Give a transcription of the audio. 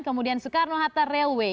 kemudian soekarno hatta railway